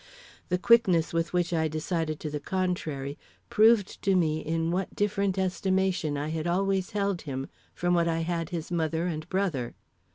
The quickness with which I decided to the contrary proved to me in what different estimation I had always held him from what I had his mother and brother.